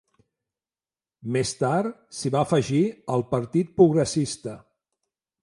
Més tard, s'hi va afegir el Partit Progressista.